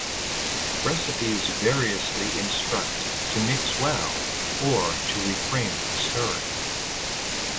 Recipes variously instruct to mix well or to refrain from stirring.